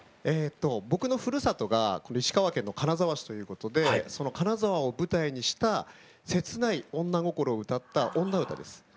えと僕のふるさとが石川県の金沢市ということでその金沢を舞台にした切ない女心を歌った女歌です。